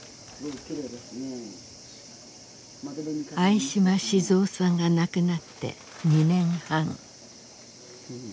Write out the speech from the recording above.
相嶋静夫さんが亡くなって２年半。